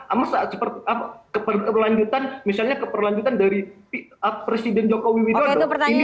amat seperti apa keperlanjutan misalnya keperlanjutan dari presiden jokowi ini